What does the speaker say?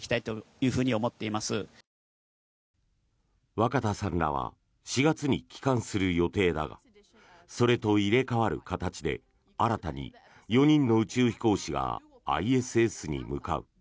若田さんらは４月に帰還する予定だがそれと入れ替わる形で新たに４人の宇宙飛行士がＩＳＳに向かう。